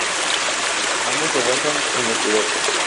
Ambos se basan en la ciudad.